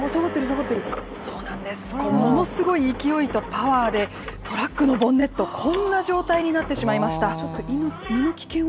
このものすごい勢いとパワーで、トラックのボンネット、こんな状態になってしちょっと身の危険を。